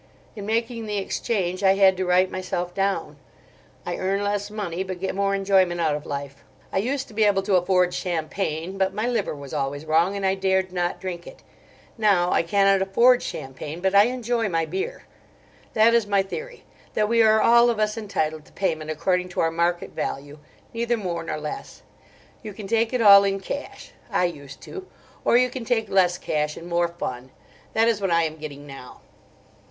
In making the exchange I had to write myself down. I earn less money, but get more enjoyment out of life. I used to be able to afford champagne, but my liver was always wrong, and I dared not drink it. Now I cannot afford champagne, but I enjoy my beer. That is my theory, that we are all of us entitled to payment according to our market value, neither more nor less. You can take it all in cash. I used to. Or you can take less cash and more fun: that is what I am getting now."